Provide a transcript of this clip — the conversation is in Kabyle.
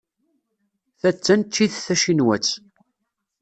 Ta d taneččit tacinwat.